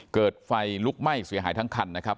เกิดไฟลุกไหม้เสียหายทั้งคันนะครับ